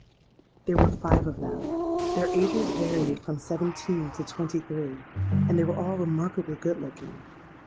There were five of them. Their ages varied from seventeen to twenty three; and they were all remarkably good looking.